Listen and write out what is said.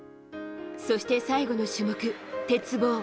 そして最後の種目、鉄棒。